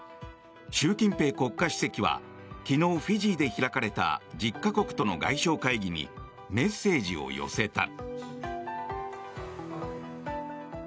習近平国家主席は昨日、フィジーで開かれた１０か国との外相会議にメッセージを寄せた。